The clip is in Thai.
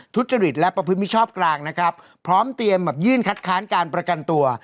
ทุจริตและประพฤติมิชอบกลางนะครับพร้อมเตรียมแบบยื่นคัดค้านการประกันตัว